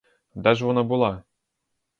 Де ж вона була?